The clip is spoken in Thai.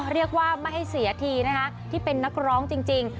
เรียกว่าไม่ให้เสียทีนะคะที่เป็นนักร้องจริง